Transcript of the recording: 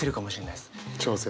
調整？